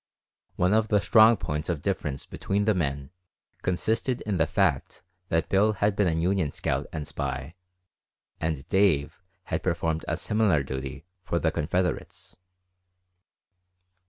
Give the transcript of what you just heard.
One of the strong points of difference between the men consisted in the fact that Bill had been a Union scout and spy, and Dave had performed a similar duty for the Confederates.